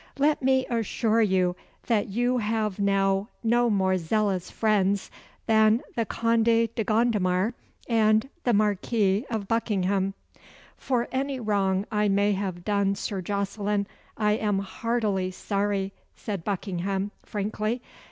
Let me assure you that you have now no more zealous friends than the Conde de Gondomar and the Marquis of Buckingham." "For any wrong I may have done Sir Jocelyn I am heartily sorry," said Buckingham, frankly.